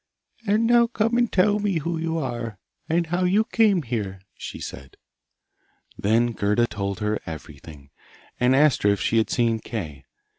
'And now come and tell me who you are, and how you came here,' she said. Then Gerda told her everything, and asked her if she had seen Kay.